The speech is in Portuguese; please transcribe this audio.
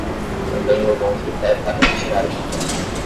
Também levou um tripé para tirar uma foto